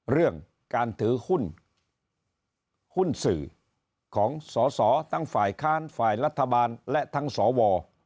เรื่องการถือหุ้นหุ้นสื่อของสอสอทั้งฝ่ายค้านฝ่ายรัฐบาลและทั้งสว